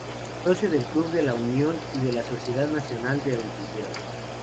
Socio del Club de La Unión y de la Sociedad Nacional de Agricultura.